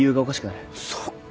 そっか。